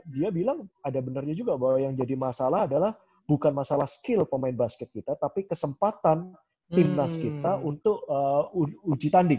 dia bilang ada benarnya juga bahwa yang jadi masalah adalah bukan masalah skill pemain basket kita tapi kesempatan timnas kita untuk uji tanding